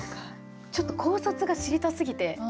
ちょっと考察が知りたすぎて。